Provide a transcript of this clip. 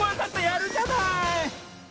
やるじゃない！